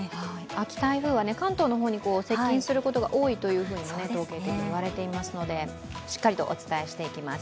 秋台風は関東の方に接近することが多いというふうに統計でいわれていますのでしっかりとお伝えしていきます。